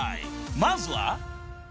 ［まずは］